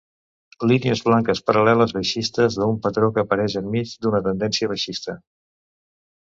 Línies blanques paral·leles baixistes és un patró que apareix enmig d'una tendència baixista.